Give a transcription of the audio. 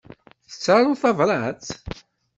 Tettaruḍ tabrat?